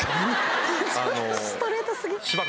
ちょっとストレート過ぎ。